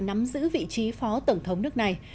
nắm giữ vị trí phó tổng thống nước này